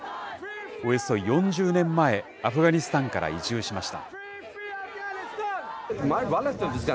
およそ４０年前、アフガニスタンから移住しました。